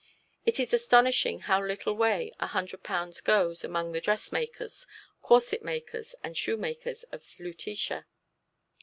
It is astonishing how little way a hundred pounds goes among the dressmakers, corset makers, and shoemakers of Lutetia.